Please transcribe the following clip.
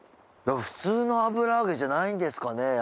普通の油揚げじゃないんですかね。